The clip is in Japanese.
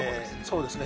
そうですね